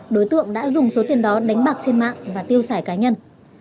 đối tượng đã dùng số tiền đó đánh bạc trên mạng và tiêu xài cá nhân